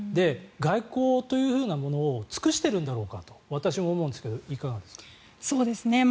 外交というふうなものを尽くしているんだろうかと私も思うんですがいかがですか。